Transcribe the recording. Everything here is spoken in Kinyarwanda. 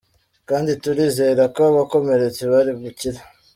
kandi turizera ko abakomeretse bari bukire.